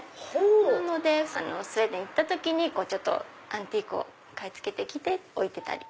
なのでスウェーデン行った時にアンティークを買い付けて来て置いてたり。